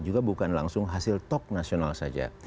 juga bukan langsung hasil tok nasional saja